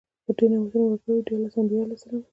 ډير نعمتونه ورکړي وو، ديارلس انبياء عليهم السلام ئي